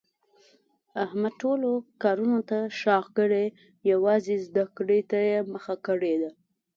احمد ټولو کارونو ته شاکړې یووازې زده کړې ته یې مخه کړې ده.